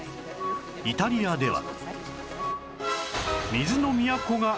イタリアでは